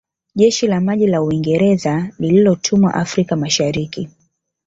Jeshi la maji la Uingereza lililotumwa Afrika Mashariki